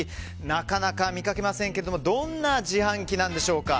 なかなか見かけませんけれどどんな自販機なんでしょうか。